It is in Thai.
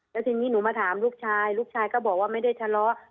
แล้วทีนี้หนูมาถามลูกชายลูกชายก็บอกว่าไม่ได้ทะเลาะ